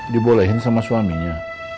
dibolehin sama suaminya